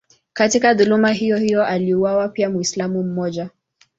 Katika dhuluma hiyohiyo aliuawa pia Mwislamu mmoja.